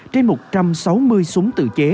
trên một trăm sáu mươi súng tự chế